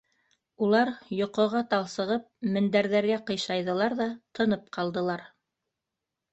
Улар, йоҡоға талсығып, мендәрҙәргә ҡыйшайҙылар ҙа тынып ҡалдылар.